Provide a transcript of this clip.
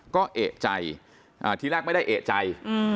ก็เอกใจทีแรกไม่ได้เอกใจ